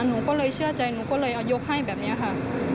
หนูก็เลยเชื่อใจหนูก็เลยเอายกให้แบบนี้ค่ะ